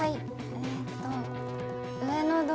えっと。